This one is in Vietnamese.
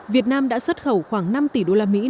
việt nam đã xuất khẩu khoảng năm tỷ đô la mỹ